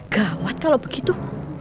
gawat kalau begitu